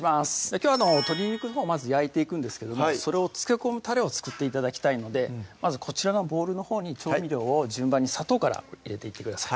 きょう鶏肉のほうまず焼いていくんですけどもそれを漬け込むたれを作って頂きたいのでまずこちらのボウルのほうに調味料を順番に砂糖から入れていってください